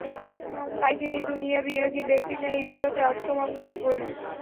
তাই তিনি দুনিয়াবিরাগী ব্যক্তির ন্যায় ইবাদতে আত্মমগ্ন হয়ে পড়লেন।